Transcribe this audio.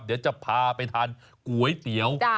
เดี๋ยวจะพาไปทานก๋วยเตี๋ยว